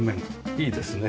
いいですね。